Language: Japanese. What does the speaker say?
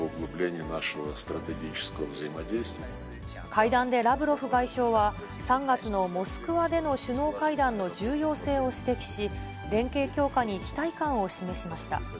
会談でラブロフ外相は、３月のモスクワでの首脳会談の重要性を指摘し、連携強化に期待感を示しました。